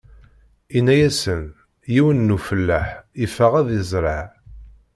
Inna-asen: Yiwen n ufellaḥ iffeɣ ad izreɛ.